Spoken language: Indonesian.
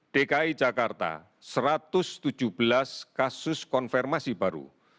dki jakarta satu ratus tujuh belas kasus konfirmasi baru